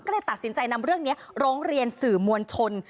ก็เลยตัดสินใจนำเรื่องนี้ร้องเรียนสื่อมวลชน